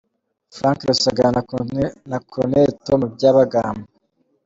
Frank Rusagara na Col. Tom Byabagamba